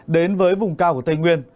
đến với vùng cao của tây nguyên